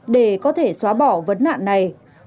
để có thể xóa bỏ vấn nạn này